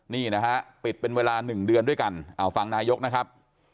นี่นะฮะปิดเป็นเวลา๑เดือนด้วยกันเอาฟังนายกนะครับ